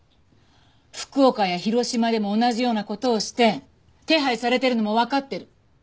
福岡や広島でも同じような事をして手配されてるのもわかってる。